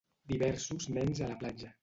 Diversos nens a la platja.